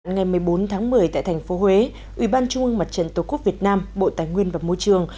ngày một mươi bốn tháng một mươi tại thành phố huế ủy ban trung ương mặt trận tổ quốc việt nam bộ tài nguyên và môi trường